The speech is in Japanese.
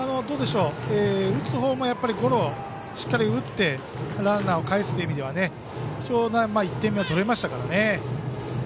打つほうもゴロをしっかり打ってランナーをかえすという意味では貴重な１点目を取れましたからね。